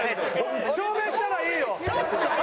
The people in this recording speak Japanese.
証明したらいいよ。